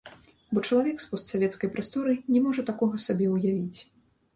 Бо чалавек з постсавецкай прасторы не можа такога сабе ўявіць.